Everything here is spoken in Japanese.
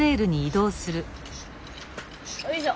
よいしょ。